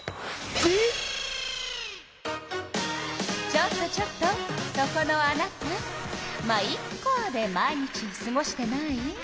ちょっとちょっとそこのあなた「ま、イッカ」で毎日をすごしてない？